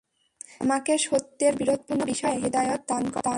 তুমি আমাকে সত্যের বিরোধপূর্ণ বিষয়ে হিদায়ত দান কর।